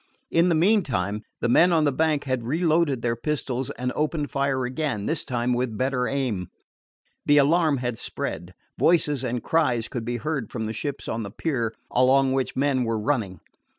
In the meantime the men on the bank had reloaded their pistols and opened fire again, this time with better aim. The alarm had spread. Voices and cries could be heard from the ships on the pier, along which men were running.